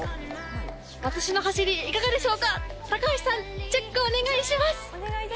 私の走りいかがでしょうか高橋さんチェックをお願いします。